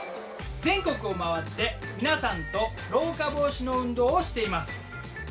全国を回って皆さんと老化防止の運動をしています。